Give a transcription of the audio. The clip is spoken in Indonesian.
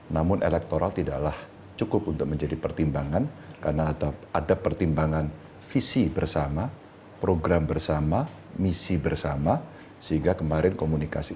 namun elektoral tidaklah cukup untuk menjadi pertimbangan karena ada pertimbangan visi bersama program bersama misi bersama sehingga kemarin komunikasi